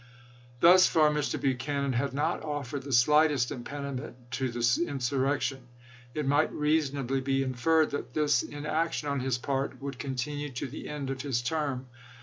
Thus far Mr. Buchanan had not offered the slightest impediment to the insurrec tion ; it might reasonably be inferred that this in action on his part would continue to the end of his term.